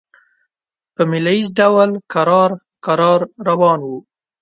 په مېله ییز ډول کرار کرار روان وو.